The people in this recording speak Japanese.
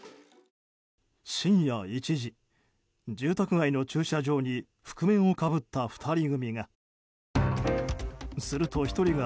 深夜１時、住宅街の駐車場に覆面をかぶった２人組が。